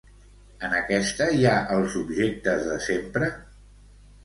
En aquesta hi ha els objectes de sempre?